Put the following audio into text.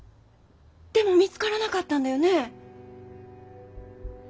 でも見つからなかったんだよね？